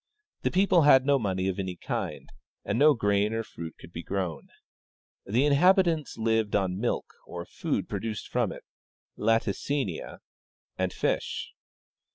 The people had no money of any kind, and no grain or fruit could be grown. The inhabitants lived on milk, or food produced from it (latimiia), and fish.